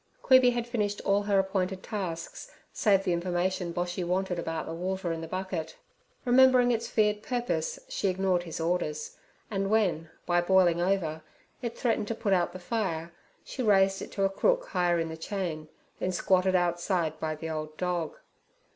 Queeby had finished all her appointed tasks, save the information Boshy wanted about the water in the bucket. Remembering its feared purpose, she ignored his orders, and when, by boiling over, it threatened to put out the fire, she raised it to a crook higher in the chain, then squatted outside by the old dog.